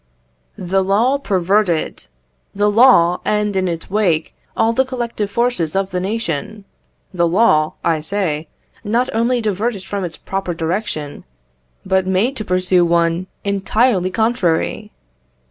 The law perverted! The law and, in its wake, all the collective forces of the nation the law, I say, not only diverted from its proper direction, but made to pursue one entirely contrary!